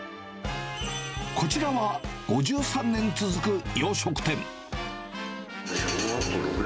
こちらは５３年続く洋食店。